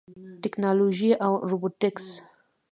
ټیکنالوژي او روبوټکس